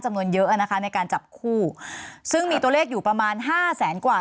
เยอะนะคะในการจับคู่ซึ่งมีตัวเลขอยู่ประมาณห้าแสนกว่า